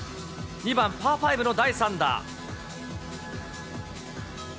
２番パー５の第３打。